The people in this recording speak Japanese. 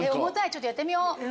ちょっとやってみよう。